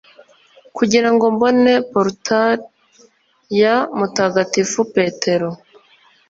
Kugira ngo mbone portal ya Mutagatifu Petero